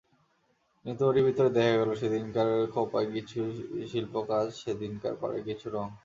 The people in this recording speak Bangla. কিন্তু ওরই ভিতরে দেখা গেল সেদিনকার খোঁপায় কিছু শিল্পকাজ, সেদিনকার পাড়ে কিছু রঙ।